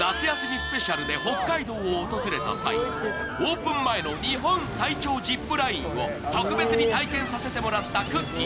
スペシャルで北海道を訪れた際、オープン前の日本最長ジップラインを特別に体験させてもらったくっきー！